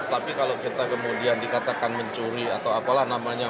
tapi kalau kita kemudian dikatakan mencuri atau apalah namanya